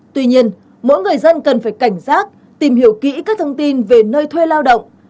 tuy nhiên mỗi người dân cần phải cảnh giác tìm hiểu kỹ các thông tin về nơi thuê lao động